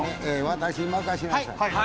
私に任しなさい。